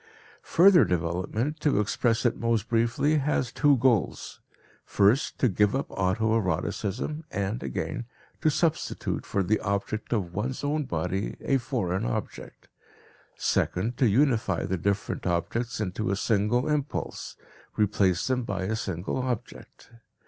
Further development, to express it most briefly, has two goals first, to give up auto eroticism, and, again, to substitute for the object of one's own body a foreign object; second, to unify the different objects into a single impulse, replace them by a single object.